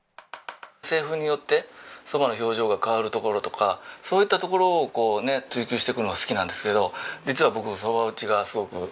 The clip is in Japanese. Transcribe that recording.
製粉によって蕎麦の表情が変わるところとかそういったところを追求していくのが好きなんですけど実は僕。